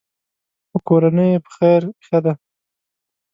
خو کورنۍ یې په خیر ښه ده.